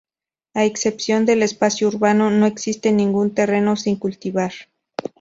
A excepción del espacio urbano, no existe ningún terreno sin cultivar.